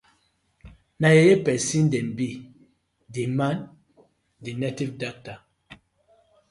Na yeye pesin dem bi, di man dey native dokta.